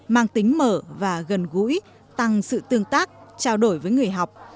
mang tính mở và gần gũi tăng sự tương tác trao đổi với người học